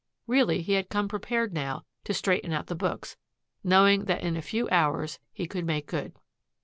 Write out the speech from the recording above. Really he had come prepared now to straighten out the books, knowing that in a few hours he could make good.